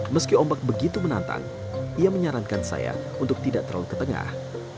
meski ombak begitu menantang ia menyarankan saya untuk tidak terlalu ke tengah